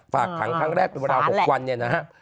ฝากขังครั้งแรกเป็นเวลา๖วันเนี่ยนะครับ